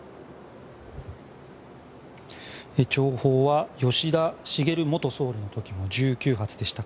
弔砲は吉田茂元総理の時も１９発でした。